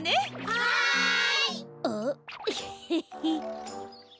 はい！